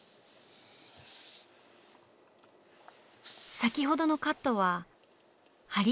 先ほどのカットは梁から。